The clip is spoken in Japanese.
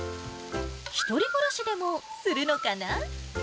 １人暮らしでもするのかな？